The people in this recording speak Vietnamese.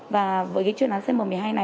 và với cái chuyên án xe m một mươi hai